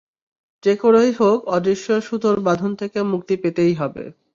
যে করেই হোক অদৃশ্য সুতোর বাঁধন থেকে মুক্তি পেতেই হবে।